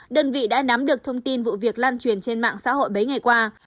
đơn vị đã nắm được thông tin vụ việc lan truyền trên mạng xã hội mấy ngày qua